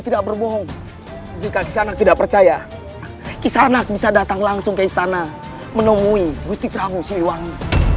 tidak berbohong jika tidak percaya kisanak bisa datang langsung ke istana menemui gusti prabu siliwangi